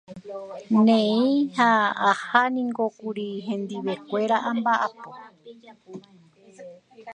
néi ha hendivekuéra ahákuri amba’apo